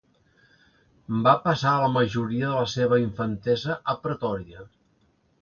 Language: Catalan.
Va passar la majoria de la seva infantesa a Pretòria.